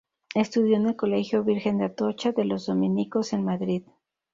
Estudió en el Colegio Virgen de Atocha, de los dominicos, en Madrid.